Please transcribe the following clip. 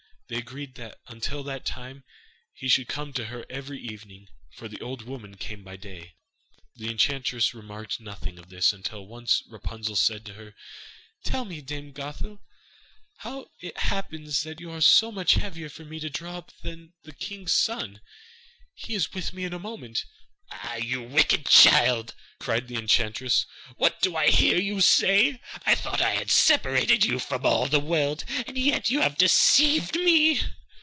They agreed that until that time he should come to her every evening, for the old woman came by day. The enchantress remarked nothing of this, until once Rapunzel said to her: 'Tell me, Dame Gothel, how it happens that you are so much heavier for me to draw up than the young king's son he is with me in a moment.' 'Ah! you wicked child,' cried the enchantress. 'What do I hear you say! I thought I had separated you from all the world, and yet you have deceived me!